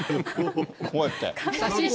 こうやって。